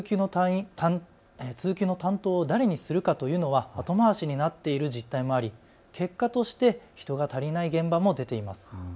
通級の担当を誰にするかというのは後回しになっている実態もあり、結果として人が足りない現場も出ています。